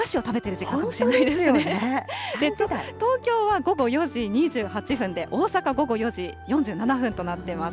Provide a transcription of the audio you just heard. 東京は午後４時２８分で、大阪、午後４時４７分となっています。